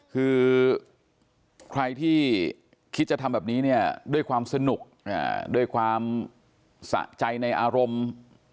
คือใครที่คิดจะทำแบบนี้เนี่ยด้วยความสนุกด้วยความสะใจในอารมณ์